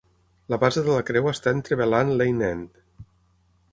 La base de la creu està en Trevellan Lane End.